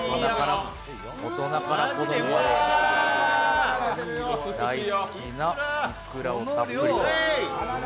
大人から子供まで大好きないくらをたっぷりと。